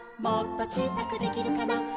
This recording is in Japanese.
「もっとちいさくできるかな」